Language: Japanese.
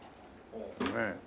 ねえ。